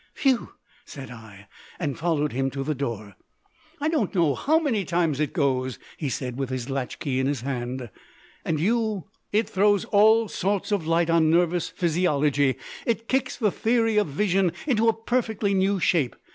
"Phew!" said I, and followed him to the door. "I don't know how many times it goes," he said, with his latch key in his hand. "And you " "It throws all sorts of light on nervous physiology, it kicks the theory of vision into a perfectly new shape!...